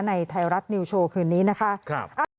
ในไทยรัฐนิวโชว์คืนนี้นะคะครับ